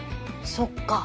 そっか！